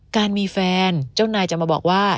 การมีแฟนเจ้านายจะมาบอกว่า